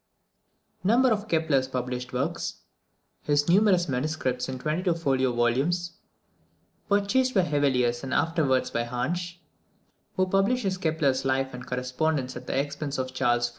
_Number of Kepler's published Works His numerous Manuscripts in 22 folio volumes Purchased by Hevelius, and afterwards by Hansch Who publishes Kepler's Life and Correspondence at the expense of Charles VI.